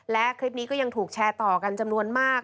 และคลิปนี้ก็ยังถูกแชร์ต่อกันจำนวนมาก